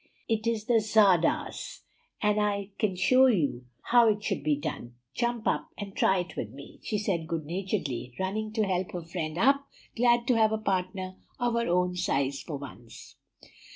It is the tzardas, and I can show you how it should be done. Jump up and try it with me!" she said good naturedly, running to help her friend up, glad to have a partner of her own size for once.